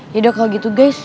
yaudah kalau gitu guys